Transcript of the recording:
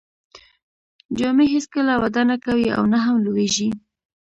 جامې هیڅکله وده نه کوي او نه هم لوییږي.